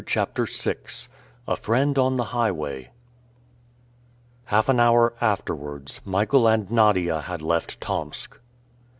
CHAPTER VI A FRIEND ON THE HIGHWAY HALF an hour afterwards, Michael and Nadia had left Tomsk.